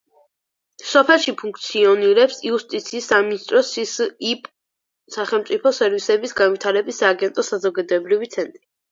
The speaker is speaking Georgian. სოფელში ფუნქციონირებს იუსტიციის სამინისტროს სსიპ სახელმწიფო სერვისების განვითარების სააგენტოს საზოგადოებრივი ცენტრი.